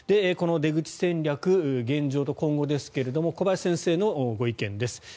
この出口戦略、現状と今後ですが小林先生のご意見です。